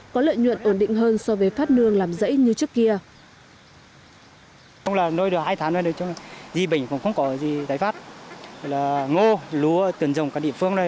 có lợi nhuận ổn định hơn so với phát nương làm rẫy như trước kia